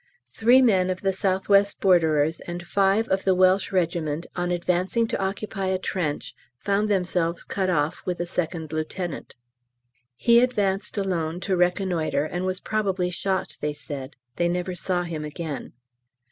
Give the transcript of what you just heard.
Three men of the S.W. Borderers and five of the Welsh Regt. on advancing to occupy a trench found themselves cut off, with a 2nd Lieut. He advanced alone to reconnoitre and was probably shot, they said they never saw him again.